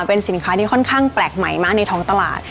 เป็นสินค้าที่ค่อนข้างแปลกใหม่มากในท้องตลาด